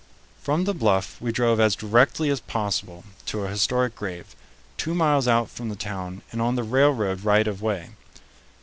From the bluff we drove as directly as possible to a historic grave, two miles out from the town and on the railroad right of way.